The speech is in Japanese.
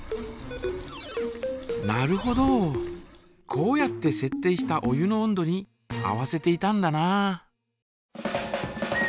こうやってせっ定したお湯の温度に合わせていたんだな。